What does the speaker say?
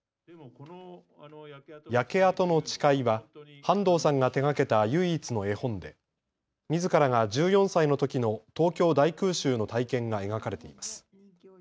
焼けあとのちかいは半藤さんが手がけた唯一の絵本でみずからが１４歳のときの東京大空襲の体験が描かれています。